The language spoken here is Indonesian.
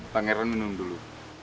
pangeran minum dulu